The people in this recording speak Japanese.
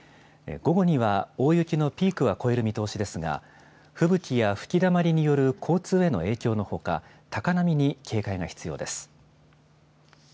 午後には大雪のピークは越える見通しですが、吹雪や吹きだまりによる交通への影響のほか、高波に警戒が必要です。